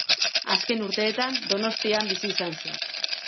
Azken urteetan Donostian bizi izan zen.